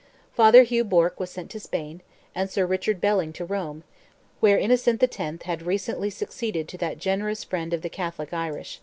Father Hugh Bourke was sent to Spain, and Sir Richard Belling to Rome, where Innocent X, had recently succeeded to that generous friend of the Catholic Irish.